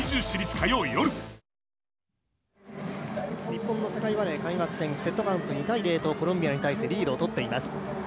日本の世界バレー開幕戦、セットカウント２−０とコロンビアに対してリードを取っています。